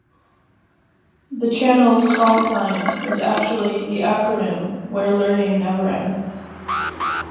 The channel's "call sign" was actually the acronym "Where Learning Never Ends".